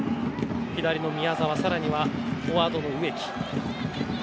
左の宮澤そしてフォワードの植木。